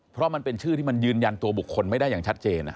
เพราะมันเป็นชื่อที่มันยืนยันตัวบุคคลไม่ได้อย่างชัดเจน